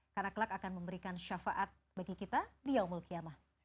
karena kelak akan memberikan syafaat bagi kita di yaumul kiamah